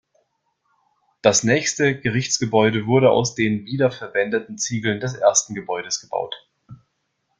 Das nächste Gerichtsgebäude wurde aus den wieder verwendeten Ziegeln des ersten Gebäudes gebaut.